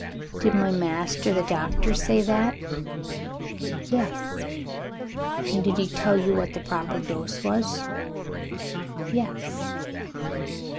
"Did my master the Doctor say that?" "Yes." "And did he tell you what the proper dose was?" "Yes."